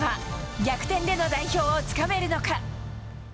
逆転での代表をつかめるのか。